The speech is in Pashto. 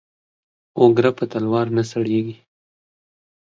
او گره په تلوار نه سړېږي.